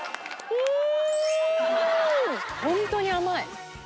うん。